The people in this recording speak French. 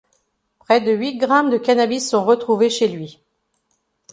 Près de huit grammes de cannabis sont retrouvés chez lui.